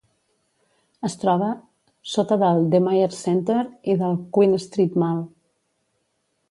Es troba sota del The Myer Centre y del Queen Street Mall.